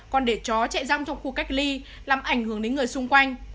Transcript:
còn để chó chạy răng trong khu cách ly làm ảnh hưởng đến người xung quanh